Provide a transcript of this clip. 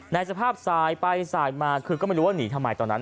ในสภาพสายไปสายมาคือก็ไม่รู้ว่าหนีทำไมตอนนั้น